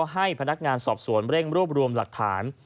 ให้พนักงานสอบสวนเร่งรวบรวมหลักฐาน